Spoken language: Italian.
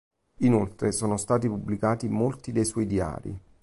Inoltre sono stati pubblicati molti dei suoi diari.